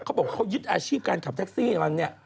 เขาบอกเขายึดอาชีพการขับแท็กซี่มาเนี่ย